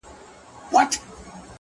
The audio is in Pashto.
هغه ورځ لکه کارګه په ځان پوهېږي؛